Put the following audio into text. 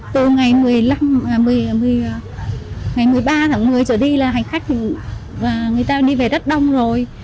từ ngày một mươi ba tháng một mươi trở đi là hành khách đi về rất đông rồi